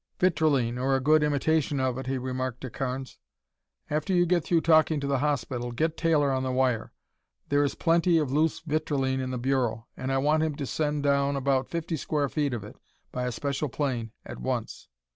"Vitrilene, or a good imitation of it," he remarked to Carnes. "After you get through talking to the hospital, get Taylor on the wire. There is plenty of loose vitrilene in the Bureau, and I want him to send down about fifty square feet of it by a special plane at once."